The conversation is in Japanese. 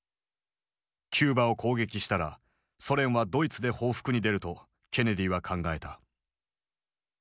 キューバを攻撃したらソ連はドイツで報復に出るとケネディは考えた。